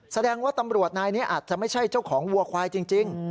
แสดงว่าตำรวจนายนี้อาจจะไม่ใช่เจ้าของวัวควายจริง